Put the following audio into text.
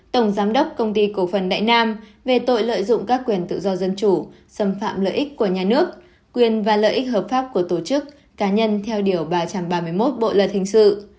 tổng giám đốc công ty cổ phần đại nam về tội lợi dụng các quyền tự do dân chủ xâm phạm lợi ích của nhà nước quyền và lợi ích hợp pháp của tổ chức cá nhân theo điều ba trăm ba mươi một bộ luật hình sự